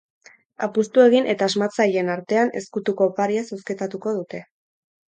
Apustu egin eta asmatzaileen artean ezkutuko oparia zozketatuko dute.